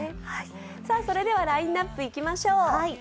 それではラインナップいきましょう。